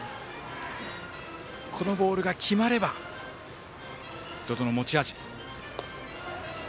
このボールが決まれば百々の持ち味。